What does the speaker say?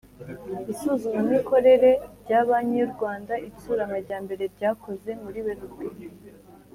Isuzumamikorere rya Banki y u Rwanda Itsura Amajyambere ryakozwe muri Werurwe